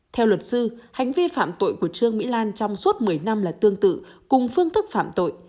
theo luật sư hành vi phạm tội của trương mỹ lan trong suốt một mươi năm là tương tự cùng phương thức phạm tội